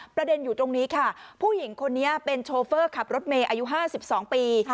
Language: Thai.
ประเด็นอยู่ตรงนี้ค่ะผู้หญิงคนนี้เป็นโชเฟอร์ขับรถเมย์อายุ๕๒ปี